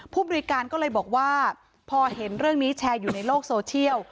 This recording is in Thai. ผู้บริการก็เลยบอกว่าพอเห็นเรื่องนี้แชร์อยู่ในโลกโซเชียล